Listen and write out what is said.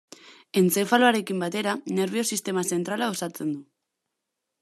Entzefaloarekin batera nerbio-sistema zentrala osatzen du.